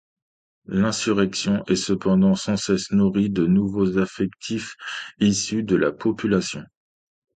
L'insurrection est cependant sans cesse nourrie de nouveaux effectifs issus de la population.